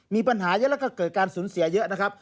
มีปัญหาเยอะแล้วก็เกิดการสูญเสียเยอะนะครับ